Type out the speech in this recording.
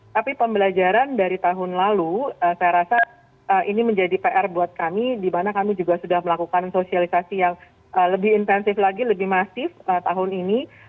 tapi pembelajaran dari tahun lalu saya rasa ini menjadi pr buat kami di mana kami juga sudah melakukan sosialisasi yang lebih intensif lagi lebih masif tahun ini